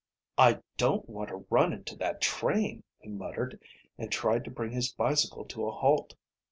"I don't want to run into that train," he muttered, and tried to bring his bicycle to a halt.